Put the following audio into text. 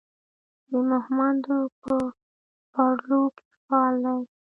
د مهمندو په پارولو کې فعال دی.